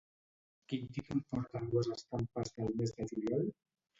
Quin títol porten dues estampes del mes de juliol?